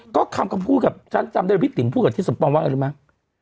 ก็คำพูดกับฉันจำได้ว่าพี่ถิ่มพูดกับที่สมปังว่าอะไรดิมั้ย